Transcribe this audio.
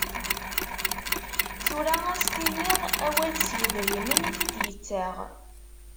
Tura ad as-tiniḍ awal s yedrimen i t-id-yettaɣ.